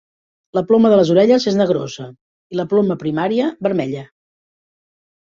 La ploma de les orelles és negrosa i la ploma primària, vermella.